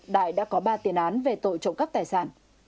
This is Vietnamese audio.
đại đã có ba tiền án về tội trộm cắp tài sản